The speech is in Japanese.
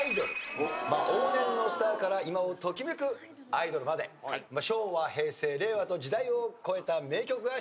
往年のスターから今を時めくアイドルまで昭和平成令和と時代を超えた名曲が出題されます。